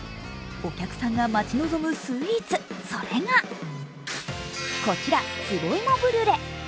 お客さんが待ち望むスイーツ、それがこちら、壺芋ブリュレ。